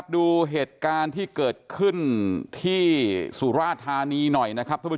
ดูเหตุการณ์ที่เกิดขึ้นที่ศุฤษฐานีหน่อย